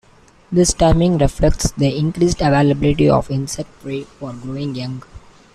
This timing reflects the increased availability of insect prey for the growing young.